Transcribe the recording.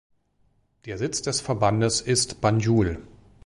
Der Sitz des Verbandes ist Banjul.